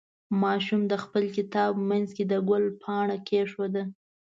ماشوم د خپل کتاب منځ کې د ګل پاڼه کېښوده.